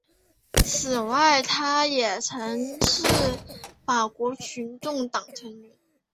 此外他也曾是法国群众党成员。